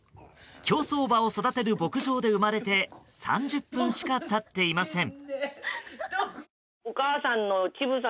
競走馬を育てる牧場で生まれて３０分しか経っていません。